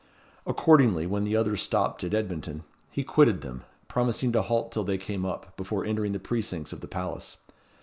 Accordingly, when the others stopped at Edmonton, he quitted them, promising to halt till they came up, before entering the precincts of the palace.